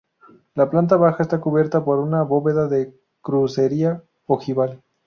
La planta baja está cubierta por una bóveda de crucería ojival.